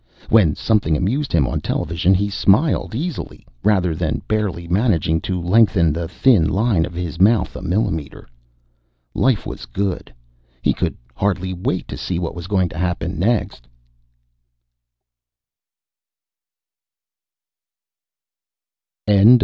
When something amused him on television, he smiled easily, rather than barely managing to lengthen the thin line of his mouth a millimeter. Life was good. He could hardly wait to see what was going to happen next.